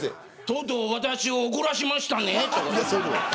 とうとう私を怒らしましたねって。